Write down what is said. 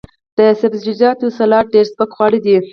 د سبزیجاتو سلاد ډیر سپک خواړه دي.